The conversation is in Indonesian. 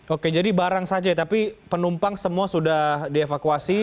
oke jadi barang saja ya tapi penumpang semua sudah dievakuasi